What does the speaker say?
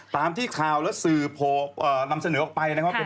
ตามที่สื่อพโปรภำนำเสนอออกไปว่าเป็นแม่